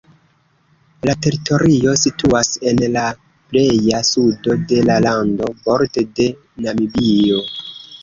La teritorio situas en la pleja sudo de la lando, borde de Namibio.